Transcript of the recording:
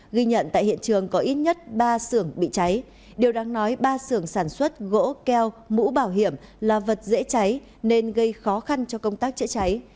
ghi nhận tại hiện trường có ít nhất ba xưởng bị cháy điều đáng nói ba xưởng sản xuất gỗ keo mũ bảo hiểm là vật dễ cháy nên gây khó khăn cho công tác chữa cháy